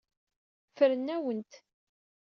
Ffren-awen-t.